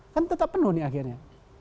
kan tetap penuh nih akhirnya